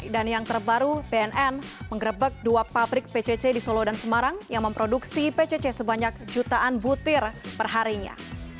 dan yang terbaru bnn mengrebek dua pabrik pcc di solo dan semarang yang memproduksi pcc sebanyak jutaan butir perharinya